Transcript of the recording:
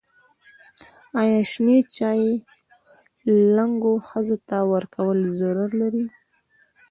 ایا شنې چايي و لنګو ښځو ته ورکول ضرر لري؟